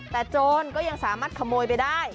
แต่โจรก็ยังสามารถขโมยไปได้